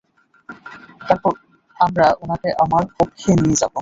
তারপর আমরা উনাকে আমার কক্ষে নিয়ে যাব।